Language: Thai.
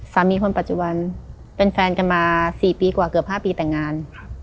คนปัจจุบันเป็นแฟนกันมา๔ปีกว่าเกือบ๕ปีแต่งงาน